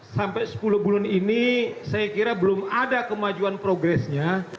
sampai sepuluh bulan ini saya kira belum ada kemajuan progresnya